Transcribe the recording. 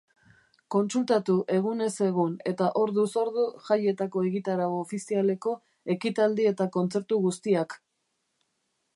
Kontsultatu egunez egun eta orduz ordu jaietako egitarau ofizialeko ekitaldi eta kontzertu guztiak.